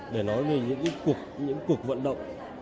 để nói về những cuộc vận động